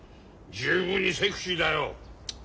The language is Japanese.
十分にセクシーだよ。